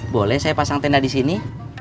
boleh saya pasang tenda di sini